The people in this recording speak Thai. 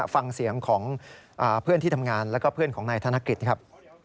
ฟังเสียงของเพื่อนที่ทำงานแล้วก็เพื่อนของนายธนกฤษครับ